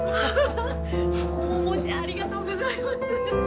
ありがとうございます。